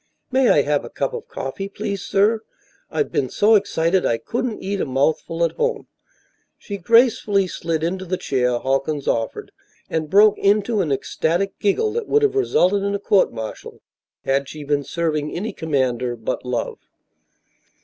"May I have a cup of coffee, please, sir? I've been so excited I couldn't eat a mouthful at home." She gracefully slid into the chair Halkins offered, and broke into an ecstatic giggle that would have resulted in a court martial had she been serving any commander but Love.